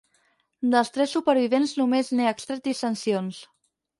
Dels tres supervivents només n'he extret dissensions.